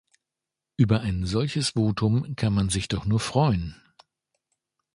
Über ein solches Votum kann man sich doch nur freuen!